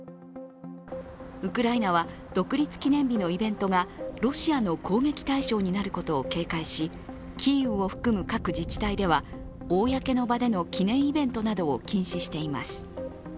ウクライナは、独立記念日のイベントがロシアの攻撃対象になることを警戒しキーウを含む各自治体では公の場での記念イベントなどを禁止しています。